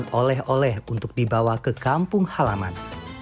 dan dia juga beri uang oleh oleh untuk dibawa ke kampung halaman